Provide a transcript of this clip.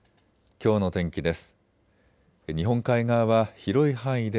きょうの天気です。